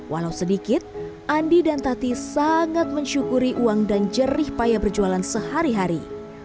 walau sedikit andi dan tati sangat mensyukuri uang dan jerih payah berjualan sehari hari